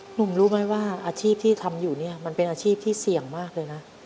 หนูรู้ไหมว่าอาชีพที่ทำอยู่เนี่ยมันเป็นอาชีพที่เสี่ยงมากเลยนะ